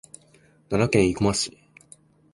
奈良県生駒市